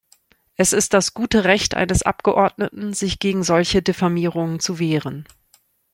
Es ist das gute Recht eines Abgeordneten, sich gegen solche Diffamierungen zu wehren.